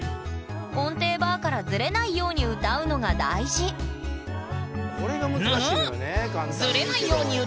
音程バーからズレないように歌うのが大事ぬぬっ！